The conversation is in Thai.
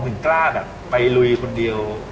คือกล้าแบบไปรวยคนเดียว